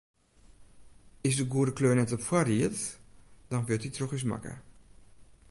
Is de goede kleur net op foarried, dan wurdt dy troch ús makke.